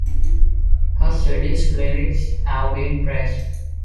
Her Swedish lyrics have been praised.